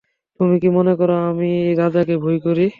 তুমি কি মনে কর আমি রাজাকে ভয় করি?